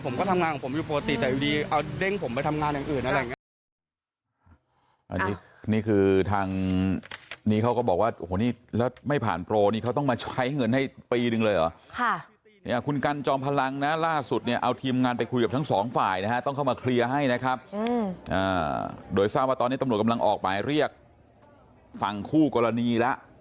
ผมก็ทำงานของผมอยู่ปกติแต่อยู่ดีเอาเด้งผมไปทำงานอย่างอื่นอะไรอย่างนี้